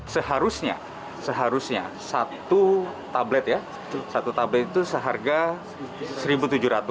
seharusnya seharusnya satu tablet ya satu tablet itu seharga rp satu tujuh ratus